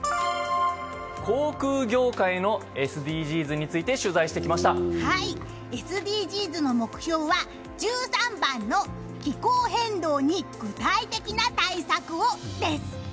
航空業界のＳＤＧｓについてＳＤＧｓの目標は１３番の「気候変動に具体的な対策を」です。